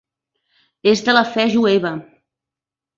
És de la fe jueva.